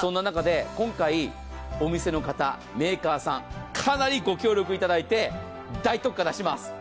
そんな中で今回、お店の方、メーカーさん、かなりご協力いただいて、大特価、出します。